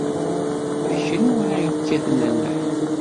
D kenwi ay yekkaten nneḥ.